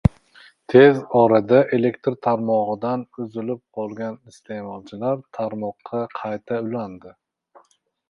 Tez orada elektr tarmog‘idan uzilib qolgan iste’molchilar tarmoqqa qayta ulanadi.